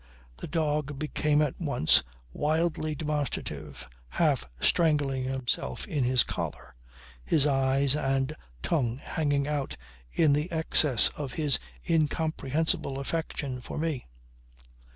The dog became at once wildly demonstrative, half strangling himself in his collar, his eyes and tongue hanging out in the excess of his incomprehensible affection for me.